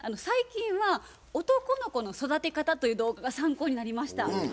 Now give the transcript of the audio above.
最近は男の子の育て方という動画が参考になりました。